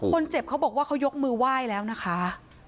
เขาบอกว่าเขายกมือไหว้แล้วนะคะ